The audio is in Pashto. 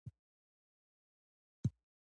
هیڅوک پر لاره سم ورڅخه تیریدلای نه شو.